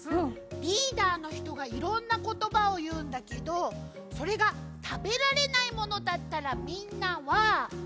リーダーのひとがいろんなことばをいうんだけどそれがたべられないものだったらみんなは「ノーノー」ってやるんだよ。